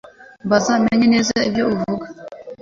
mbanze menye nezaibyu uvuga